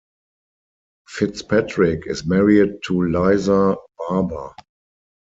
Fitzpatrick is married to Liza Barber.